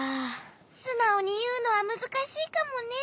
すなおにいうのはむずかしいかもね。